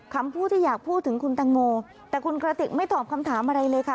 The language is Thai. คำพูดที่อยากพูดถึงคุณตังโมแต่คุณกระติกไม่ตอบคำถามอะไรเลยค่ะ